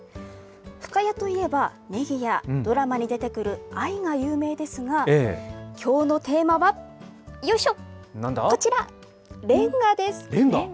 深谷といえば、ねぎやドラマに出てくる藍が有名ですが、きょうのテーマは、よいしょ、こちら、れんがです。